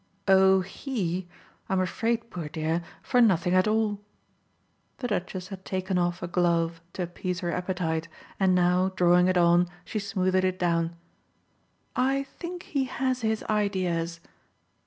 "Oh, HE, I'm afraid, poor dear for nothing at all!" The Duchess had taken off a glove to appease her appetite, and now, drawing it on, she smoothed it down. "I think he has his ideas."